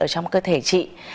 trong cơ thể chị